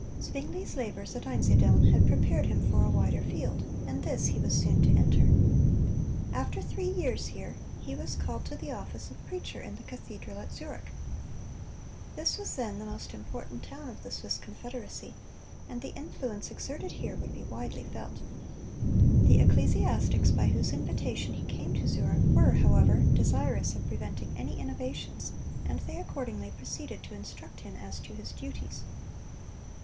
Zwingle's labors at Einsiedeln had prepared him for a wider field, and this he was soon to enter. After three years here, he was called to the office of preacher in the cathedral at Zurich. This was then the most important town of the Swiss confederacy, and the influence exerted here would be widely felt. The ecclesiastics by whose invitation he came to Zurich were, however, desirous of preventing any innovations, and they accordingly proceeded to instruct him as to his duties.